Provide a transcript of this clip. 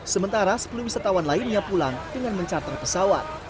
sementara sepuluh wisatawan lainnya pulang dengan mencatat pesawat